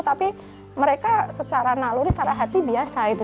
tapi mereka secara naluri secara hati biasa itu